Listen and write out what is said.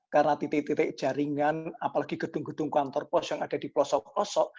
karena titik titik jaringan apalagi gedung gedung kantor post yang ada di pelosok pelosok